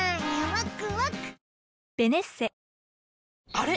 あれ？